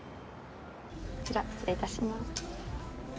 こちら失礼いたします。